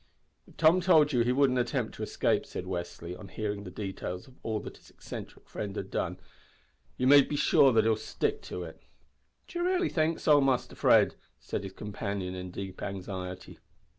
"If Tom told you he wouldn't attempt to escape," said Westly, on hearing the details of all that his eccentric friend had done, "you may be sure that he'll stick to it." "D'ye raaly think so, Muster Fred?" said his companion in deep anxiety.